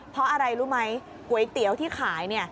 เพราะอะไรรู้ไหมก๋วยเตี๋ยวที่ขายเนี่ย